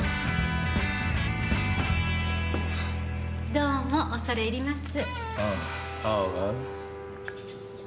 どうも恐れ入ります。